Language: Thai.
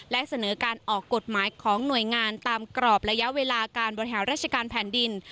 และเสนอการออกกฎหมายของหน่วยงานตามกรอบระยะเวลาการบริหารราชการแผ่นดิน